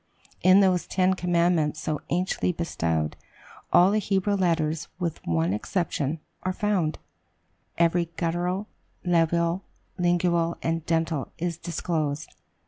In those ten commandments so anciently bestowed, all the Hebrew letters, with one exception, are found every guttural, labial, lingual, and dental is disclosed.